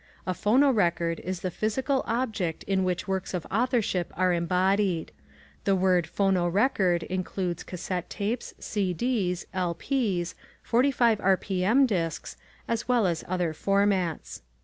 A phonorecord is the physical object in which works of authorship are embodied. The word "phonorecord" includes cassette tapes, CDs, LPs, 45 r. p. m. disks, as well as other formats.